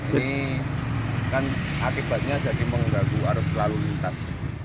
ini kan akibatnya jadi menggaguh harus selalu lintas